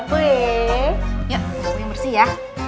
yuk bingung bersih ya